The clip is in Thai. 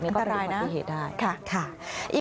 ก็เป็นปฏิเหตุได้ค่ะอีกอีกอย่าง